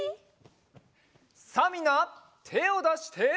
さあみんなてをだして。